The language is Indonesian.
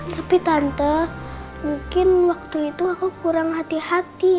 tapi tante mungkin waktu itu aku kurang hati hati